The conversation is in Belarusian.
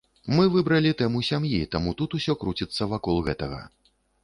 Мы выбралі тэму сям'і, таму тут усё круціцца вакол гэтага.